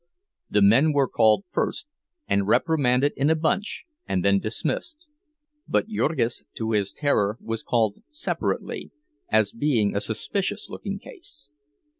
The men were called up first, and reprimanded in a bunch, and then dismissed; but, Jurgis, to his terror, was called separately, as being a suspicious looking case.